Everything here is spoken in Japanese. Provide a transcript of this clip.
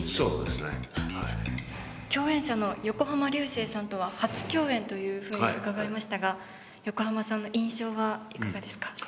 はい共演者の横浜流星さんとは初共演というふうに伺いましたが横浜さんの印象はいかがですか？